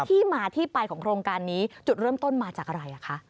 ที่มาที่ไปของโครงการนี้จุดเริ่มต้นมาจากอะไรคะ